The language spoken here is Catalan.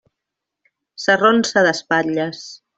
S'arronsa d'espatlles.